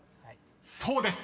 ［そうです。